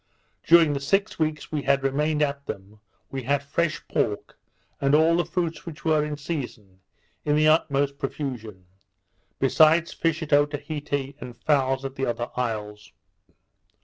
During the six weeks we had remained at them, we had fresh pork, and all the fruits which were in season, in the utmost profusion; besides fish at Otaheite, and fowls at the other isles.